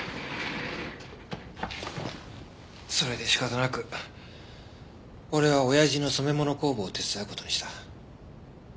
それで仕方なく俺は親父の染め物工房を手伝う事にした。